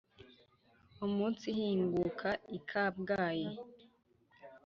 Umunsi ihinguka i Kabgayi